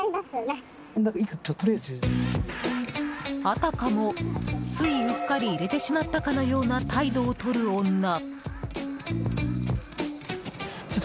あたかも、ついうっかり入れてしまったかのような態度をとる女。